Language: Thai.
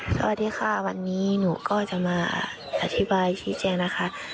สวัสดีค่ะวันนี้หนูก็จะมาอธิบายชี้แจงนะคะ